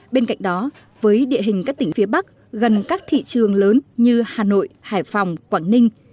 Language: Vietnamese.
bên cạnh đó với địa hình các tỉnh phía bắc gần các thị trường lớn như hà nội hải phòng quảng ninh